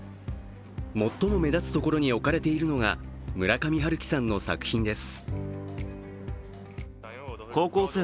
最も目立つところに置かれているのが村上春樹さんの作品です。